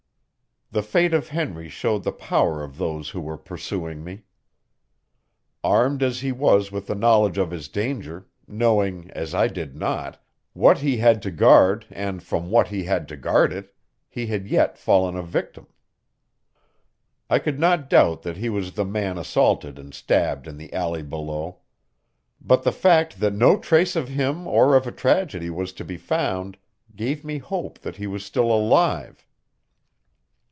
The fate of Henry showed the power of those who were pursuing me. Armed as he was with the knowledge of his danger, knowing, as I did not, what he had to guard and from what he had to guard it, he had yet fallen a victim. I could not doubt that he was the man assaulted and stabbed in the alley below. But the fact that no trace of him or of a tragedy was to be found gave me hope that he was still alive.